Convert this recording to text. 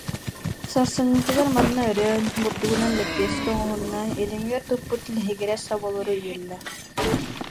Сарсыҥҥытыгар манна өрөөн бурду- гунан лэппиэскэ оҥоһунна, илимигэр туппут лэһигирэс соболору үөллэ